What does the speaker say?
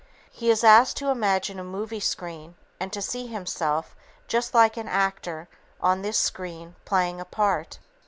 He is asked to imagine a movie screen and to see himself 'just like an actor' on this screen playing a part.